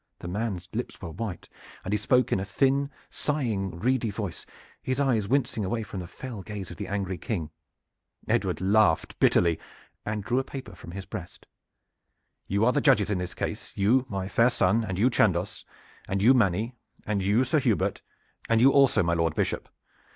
The man's lips were white, and he spoke in a thin, sighing, reedy voice, his eyes wincing away from the fell gaze of the angry King. Edward laughed bitterly, and drew a paper from his breast. "You are the judges in this case, you, my fair son, and you, Chandos, and you, Manny, and you, Sir Hubert, and you also, my Lord Bishop.